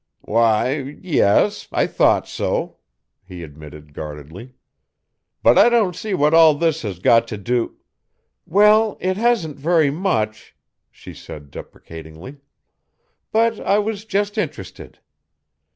"Why, yes, I thought so," he admitted guardedly. "But I don't see what all this has got to do " "Well, it hasn't very much," she said deprecatingly, "but I was just interested.